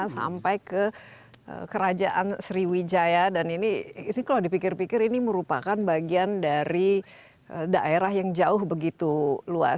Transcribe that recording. sampai ke kerajaan sriwijaya dan ini kalau dipikir pikir ini merupakan bagian dari daerah yang jauh begitu luas